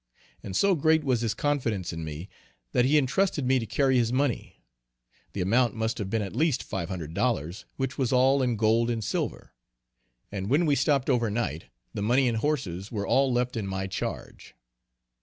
And so great was his confidence in me, that he intrusted me to carry his money. The amount must have been at least five hundred dollars, which was all in gold and silver; and when we stopped over night the money and horses were all left in my charge.